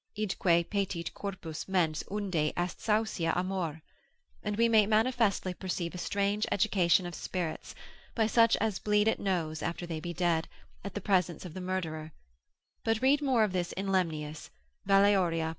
Idque petit corpus mens unde est saucia amore; and we may manifestly perceive a strange eduction of spirits, by such as bleed at nose after they be dead, at the presence of the murderer; but read more of this in Lemnius, lib. 2.